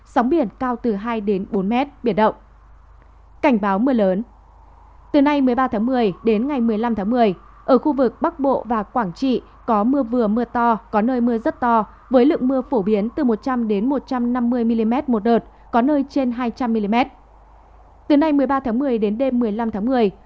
sóng biển cao từ hai đến bốn mét biển động